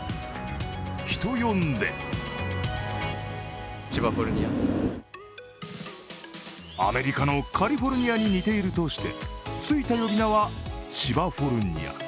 人呼んでアメリカのカリフォルニアに似ているとしてついた呼び名は千葉フォルニア。